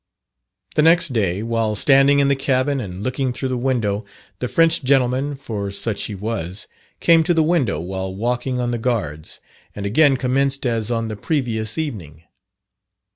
"The next day, while standing in the cabin and looking through the window, the French gentleman (for such he was) came to the window while walking on the guards, and again commenced as on the previous evening.